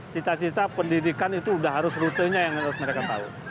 cita cita pendidikan itu sudah harus rutenya yang harus mereka tahu